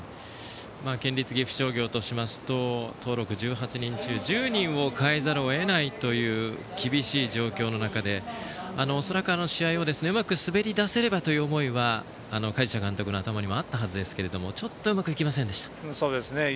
県立岐阜商業としますと登録１８人中１０人を代えざるを得ないという厳しい状況の中で恐らく、試合をうまく滑り出せればという思いは鍛治舎監督の頭の中にもあったはずですがちょっとうまくいきませんでした。